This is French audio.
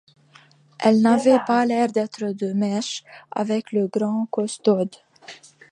Elle n’avait pas l’air d’être de mèche avec le grand costaud.